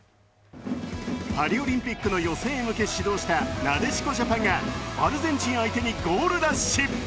パリオリンピックの予選へ向け始動したなでしこジャパンがアルゼンチン相手にゴールラッシュ。